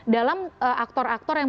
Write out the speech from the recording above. dalam aktor aktor yang